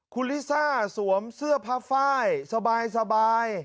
คุณลิซ่าสวมเสื้อผ้าไฟล์สบาย